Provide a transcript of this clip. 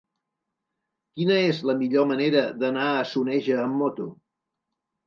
Quina és la millor manera d'anar a Soneja amb moto?